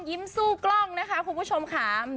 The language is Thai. ยิ้มสู้กล้องนะคะคุณผู้ชมค่ะ